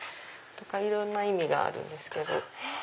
いろんな意味があるんですけど。